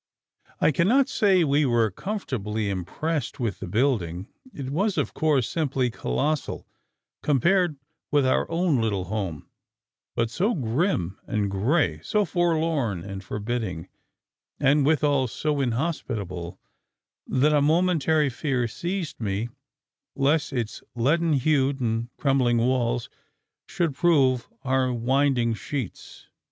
I cannot say we were comfortably impressed with the building; it was of course simply colossal compared with our own little home, but so grim and grey, so forlorn and forbidding, and withal so inhospitable, that a momentary fear seized me lest its leaden hued and crumbling walls should prove our winding sheets.